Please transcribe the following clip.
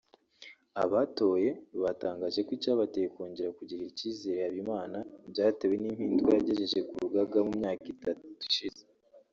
Abatoye batangaje ko icyabateye kongera kugirira icyizere Habimana byatewe n‘impinduka yagejeje ku rugaga mu myaka itatu ishize